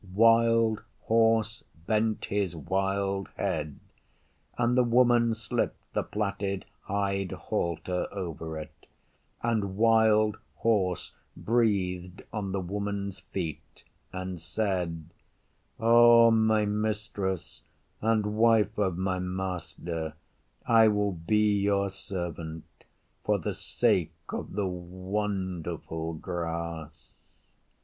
Wild Horse bent his wild head, and the Woman slipped the plaited hide halter over it, and Wild Horse breathed on the Woman's feet and said, 'O my Mistress, and Wife of my Master, I will be your servant for the sake of the wonderful grass.